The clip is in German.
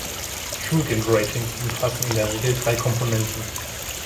"Shulgin-Ratings" umfassen in der Regel drei Komponenten.